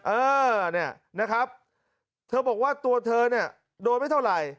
เออเนี่ยนะครับเธอบอกว่าตัวเธอเนี่ยโดนไม่เท่าไหร่